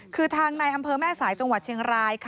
คือทางในอำเภอแม่สายจังหวัดเชียงราย